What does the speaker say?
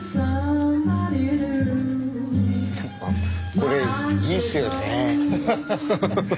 これいいっすよね。